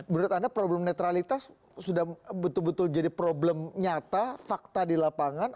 menurut anda problem netralitas sudah betul betul jadi problem nyata fakta di lapangan